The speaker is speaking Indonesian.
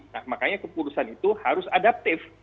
nah makanya keputusan itu harus adaptif